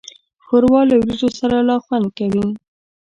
ښوروا له وریجو سره لا خوند کوي.